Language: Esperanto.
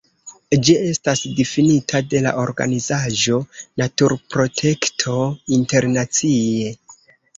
Ĝi estas difinita de la organizaĵo Naturprotekto Internacie.